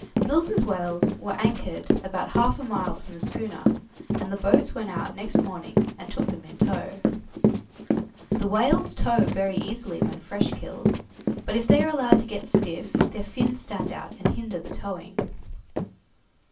Mills' whales were anchored about half a mile from the schooner, and the boats went out next morning and took them in tow. The whales tow very easily when fresh killed, but if they are allowed to get stiff their fins stand out and hinder the towing.